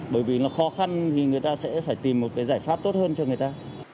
bởi vì nó khó khăn thì người ta sẽ phải tìm một cái giải pháp tốt hơn cho người ta